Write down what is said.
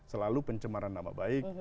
selalu pencemaran nama baik